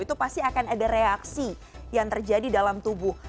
itu pasti akan ada reaksi yang terjadi dalam tubuh